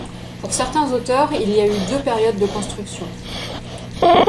Pour certains auteurs, il y a eu deux périodes de construction.